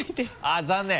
あっ残念。